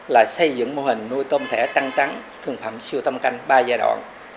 là xây dựng mô hình nuôi tôm thẻ trăng trắng thường phẩm siêu thăm canh ba giai đoạn